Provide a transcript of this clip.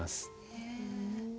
へえ。